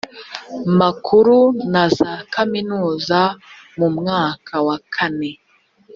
makuru na za kaminuza mu mwaka wa kane